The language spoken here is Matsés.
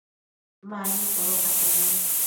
mani codoca penun